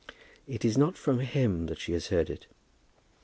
"It is not from him that she has heard it."